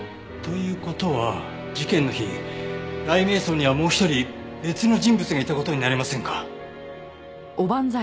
という事は事件の日雷冥荘にはもう一人別の人物がいた事になりませんか？